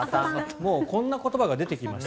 もうこんな言葉が出てきました。